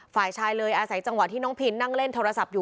ฝ่ายชายเลยอาศัยจังหวะที่น้องพินนั่งเล่นโทรศัพท์อยู่